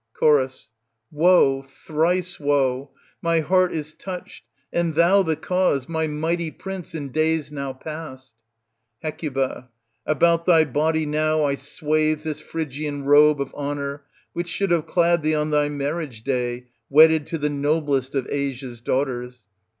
Cho. Woe ! thrice woe ! my heart is touched, and thou the cause, my mighty prince in days now passed ! Hec. About thy body now I swathe this Phrygian robe of honour, which should have clad thee on thy marriage day, wedded to the noblest of Asia's daughters.